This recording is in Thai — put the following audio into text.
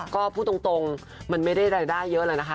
ก็พูดตรงมันไม่ได้รายได้เยอะเลยนะคะ